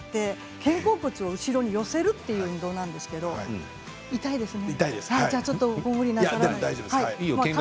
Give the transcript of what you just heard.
肩甲骨を後ろに寄せるという運動なんですけれど痛いですね。